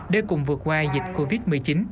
để cùng vượt qua dịch covid một mươi chín